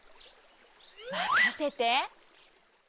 まかせて！